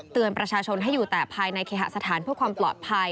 ประชาชนให้อยู่แต่ภายในเคหสถานเพื่อความปลอดภัย